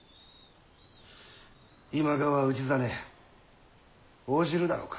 今川氏真応じるだろうか。